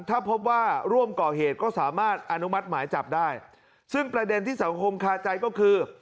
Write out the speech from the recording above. ถ้าพบว่าร่วมก่อเหตุก็สามารถอนุมัติหมายจับได้ซึ่งประเด็นที่สังคมคาใจก็คือ